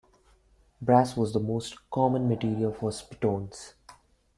Brass was the most common material for spitoons.